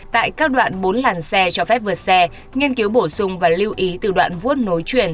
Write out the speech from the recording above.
tại các đoạn bốn làn xe cho phép vượt xe nghiên cứu bổ sung và lưu ý từ đoạn vuốt nối chuyển